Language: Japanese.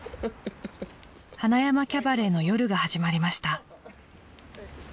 ［塙山キャバレーの夜が始まりました］